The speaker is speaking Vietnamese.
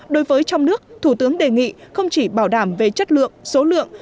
đối với trong nước thủ tướng đề nghị không chỉ bảo đảm về chất lượng số lượng